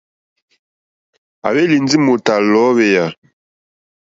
À hwélì ndí mòtò à lɔ̀ɔ́hwèyà.